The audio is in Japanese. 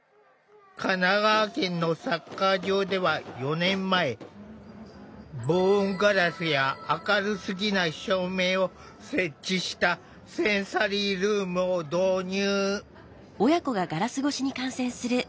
神奈川県のサッカー場では４年前防音ガラスや明るすぎない照明を設置したセンサリールームを導入。